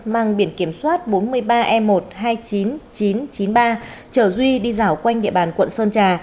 mang biển kiểm soát bốn mươi ba e một hai mươi chín nghìn chín trăm chín mươi ba chở duy đi dạo quanh địa bàn quận sơn trà